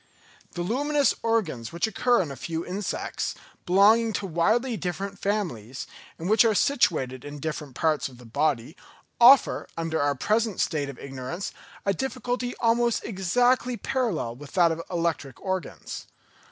The luminous organs which occur in a few insects, belonging to widely different families, and which are situated in different parts of the body, offer, under our present state of ignorance, a difficulty almost exactly parallel with that of the electric organs.